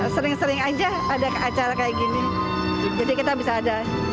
sering sering aja ada acara kayak gini jadi kita bisa ada